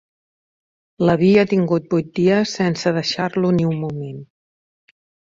L'havia tingut vuit dies sense deixar-lo ni un moment